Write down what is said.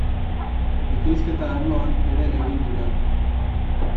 Bikoizketa arloan ere egin du lan.